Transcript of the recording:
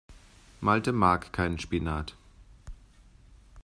Malte mag keinen Spinat.